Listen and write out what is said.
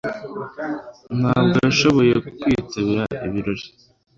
Ntabwo yashoboye kwitabira ibirori